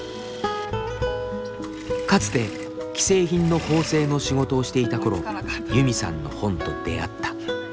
かつて既製品の縫製の仕事をしていたころユミさんの本と出会った。